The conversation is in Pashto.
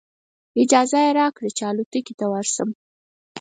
اجازه یې راکړه چې الوتکې ته ورشم.